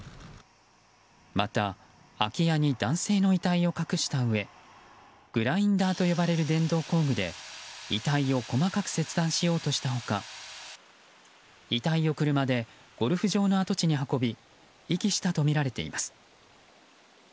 また、空き家に男性の遺体を隠したうえグラインダーと呼ばれる電動工具で遺体を細かく切断しようとした他遺体を車でゴルフ場の跡地に運び遺棄したとみられています。